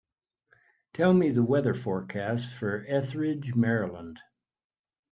Tell me the weather forecast for Ethridge, Maryland